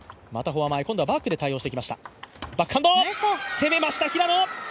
攻めました、平野！